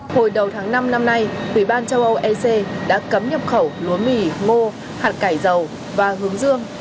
hồi đầu tháng năm năm nay ủy ban châu âu ec đã cấm nhập khẩu lúa mì ngô hạt cải dầu và hướng dương